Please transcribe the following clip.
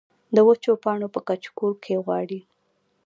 د وچو پاڼو پۀ کچکول کې غواړي